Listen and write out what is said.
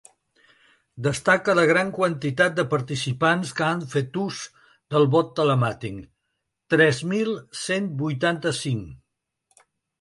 Destaca la gran quantitat de participants que han fet ús del vot telemàtic: tres mil cent vuitanta-cinc.